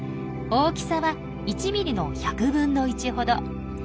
大きさは１ｍｍの１００分の１ほど。